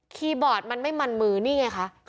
นี่นี่นี่